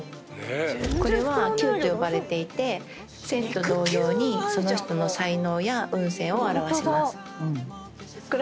これは丘と呼ばれていて線と同様にその人の才能や運勢を表します。